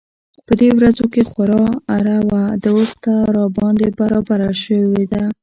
په دې ورځو کې خورا اره و دوسره راباندې برابره شوې ده.